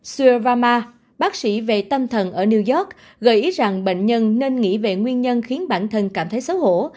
sueva bác sĩ về tâm thần ở new york gợi ý rằng bệnh nhân nên nghĩ về nguyên nhân khiến bản thân cảm thấy xấu hổ